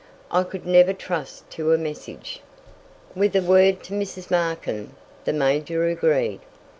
I could never trust to a message." With a word to Mrs. Markin, the major agreed.